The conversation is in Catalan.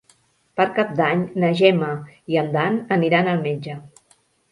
Per Cap d'Any na Gemma i en Dan aniran al metge.